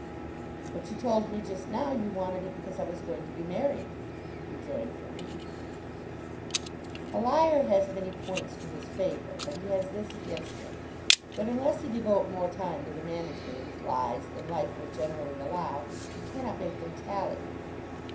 "But you told me just now you wanted it because I was going to be married," rejoined Marie. A liar has many points in his favour, but he has this against him, that unless he devote more time to the management of his lies than life will generally allow, he cannot make them tally.